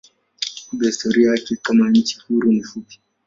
Kumbe historia yake kama nchi huru ni fupi.